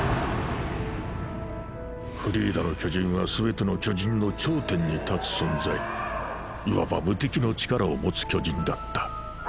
フリーダの巨人はすべての巨人の頂点に立つ存在いわば無敵の力を持つ巨人だった。